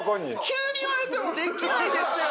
急に言われてもできないですよ！